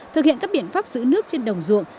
thực hiện các biện pháp giữ nước trên đồng ruộng